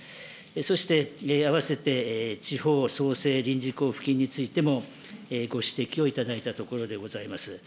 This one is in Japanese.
そして併せて、地方創生臨時交付金についてもご指摘を頂いたところでございます。